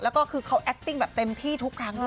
แล้วก็คือเขาแอคติ้งแบบเต็มที่ทุกครั้งเลย